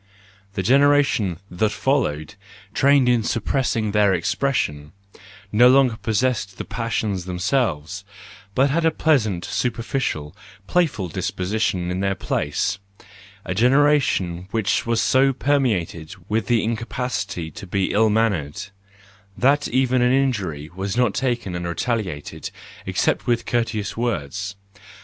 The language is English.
The generation that followed,\ trained in suppressing their expression, no longer pos¬ sessed the passions themselves, but had a pleasant, superficial, playful disposition in their place,— a generation which was so permeated with the incapacity to be ill mannered, that even an injury was not taken and retaliated, except with court¬ eous words.